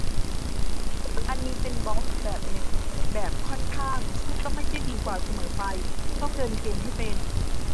อันนี้เป็นบอสแบบหนึ่ง แบบค่อนข้าง ซึ่งก็ไม่ได้ดีกว่าเสมอไป ต้องเดินเกมให้เป็น